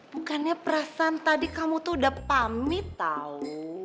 bukannya perasan tadi kamu tuh udah pamit tau